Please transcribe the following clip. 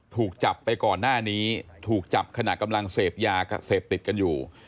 ถูกจับไปก่อนหน้านี้ถูกจับขณะกำลังเสพยาเสพติดกันอยู่